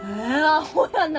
アホやな！